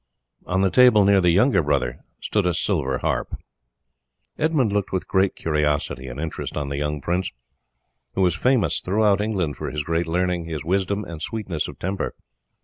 On the table near the younger brother stood a silver harp. Edmund looked with great curiosity and interest on the young prince, who was famous throughout England for his great learning, his wisdom, and sweetness of temper.